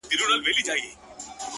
خداى دي له بدوسترگو وساته تل-